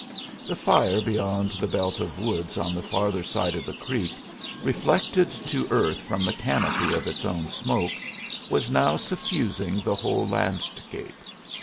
The fire beyond the belt of woods on the farther side of the creek, reflected to earth from the canopy of its own smoke, was now suffusing the whole landscape.